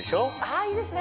いいですね！